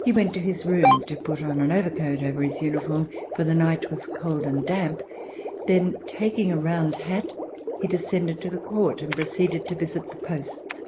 He went to his room to put on an overcoat over his uniform, for the night was cold and damp; then, taking a round hat, he [ loo] VERSAILLES INVADED BY THE MOB descended to the court and proceeded to visit the posts.